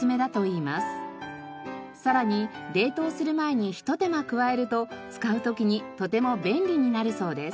さらに冷凍する前にひと手間加えると使う時にとても便利になるそうです。